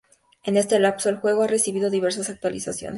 En este lapso, el juego ha recibido diversas actualizaciones.